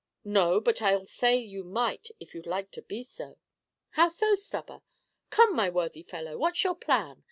"No, but I 'll say you might, if you liked to be so." "How so, Stubber? Come, my worthy fellow, what's your plan?